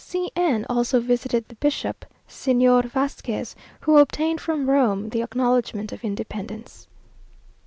C n also visited the bishop, Señor Vasques, who obtained from Rome the acknowledgment of independence.